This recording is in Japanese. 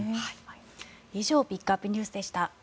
以上ピックアップＮＥＷＳでした。